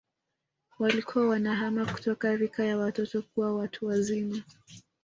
Walikuwa wanahama kutoka rika ya watoto kuwa watu wazima